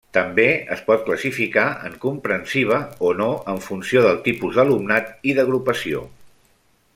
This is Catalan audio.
També es pot classificar en comprensiva o no en funció del tipus d'alumnat i d'agrupació.